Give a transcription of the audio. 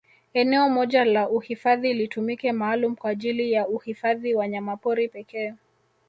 Eneo moja la uhifadhi litumike maalum kwa ajili ya uhifadhi wanyamapori pekee